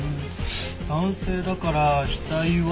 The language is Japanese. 男性だから額は５ミリ。